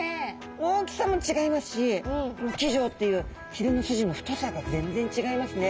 大きさも違いますしこの鰭条っていうひれの筋の太さが全然違いますね。